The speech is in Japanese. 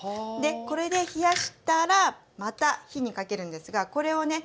これで冷やしたらまた火にかけるんですがこれをね